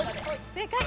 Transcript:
正解！